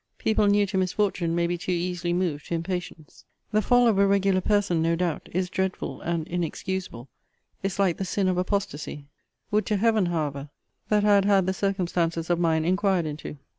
People new to misfortune may be too easily moved to impatience. The fall of a regular person, no doubt, is dreadful and inexcusable. It is like the sin of apostacy. Would to Heaven, however, that I had had the circumstances of mine inquired into!